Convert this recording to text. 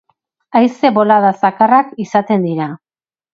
Haize bolada zakarrak izaten dira.